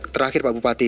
terakhir pak bupati